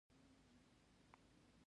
کوچنۍ کولمې څه دنده لري؟